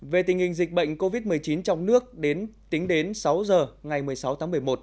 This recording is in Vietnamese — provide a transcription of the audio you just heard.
về tình hình dịch bệnh covid một mươi chín trong nước tính đến sáu giờ ngày một mươi sáu tháng một mươi một